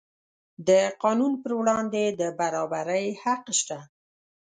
د قانون پر وړاندې د برابرۍ حق شته.